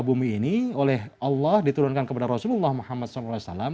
bumi ini oleh allah diturunkan kepada rasulullah muhammad saw